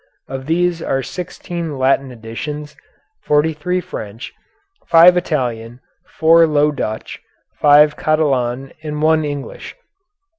Of these there are sixteen Latin editions, forty three French, five Italian, four Low Dutch, five Catalan, and one English.